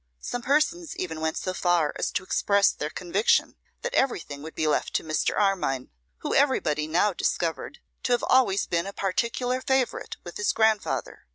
Some persons even went so far as to express their conviction that everything would be left to Mr. Armine, who everybody now discovered to have always been a particular favourite with his grandfather.